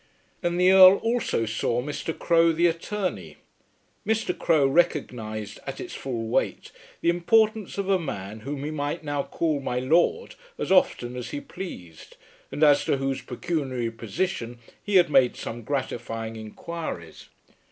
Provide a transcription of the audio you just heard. And the Earl also saw Mr. Crowe the attorney. Mr. Crowe recognized at its full weight the importance of a man whom he might now call "My Lord" as often as he pleased, and as to whose pecuniary position he had made some gratifying inquiries.